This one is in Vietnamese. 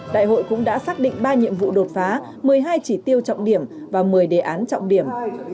đại hội cũng đã xác định ba nhiệm vụ đột phá một mươi hai chỉ tiêu trọng điểm và một mươi đề án trọng điểm